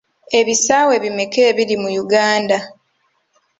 Ebisaawe bimeka ebiri mu Uganda?